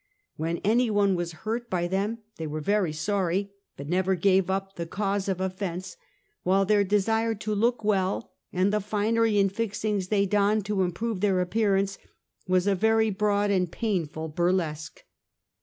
When any one was hart by them they were very sorry, but never gave up the cause of offense, while their desire to look well, and the finery and fixings they donned to improve their appearance, was a very broad and painful burlesque.